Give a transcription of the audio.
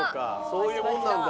そういうもんなんだ。